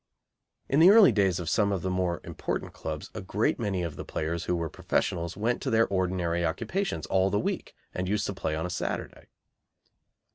In the early days of some of the more important clubs a great many of the players who were professionals went to their ordinary occupations all the week and used to play on a Saturday.